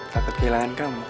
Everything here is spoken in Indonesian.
takut kehilangan kemampuan